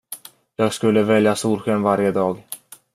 Jag skulle välja solsken varje dag.